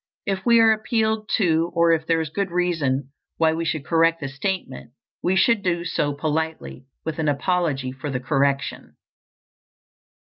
If we are appealed to, or if there is good reason why we should correct the statement, we should do so politely, with an apology for the correction.